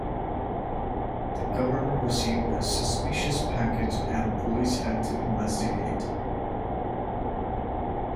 The governor received a suspicious package and the police had to investigate.